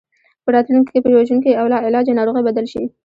په راتلونکي کې په وژونکي او لاعلاجه ناروغۍ بدل شي.